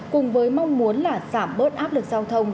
cùng với mong muốn là giảm bớt áp lực giao thông